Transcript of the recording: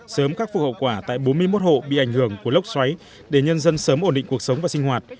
sớm khắc phục hậu quả tại bốn mươi một hộ bị ảnh hưởng của lốc xoáy để nhân dân sớm ổn định cuộc sống và sinh hoạt